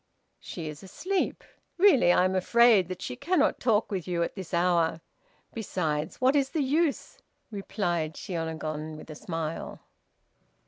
"She is asleep; really, I am afraid that she cannot talk with you at this hour. Besides, what is the use?" replied Shiônagon, with a smile.